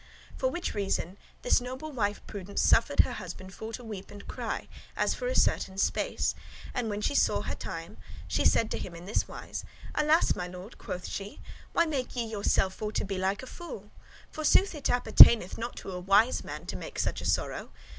For which reason this noble wife Prudence suffered her husband for to weep and cry, as for a certain space; and when she saw her time, she said to him in this wise: "Alas! my lord," quoth she, "why make ye yourself for to be like a fool? For sooth it appertaineth not to a wise man to make such a sorrow.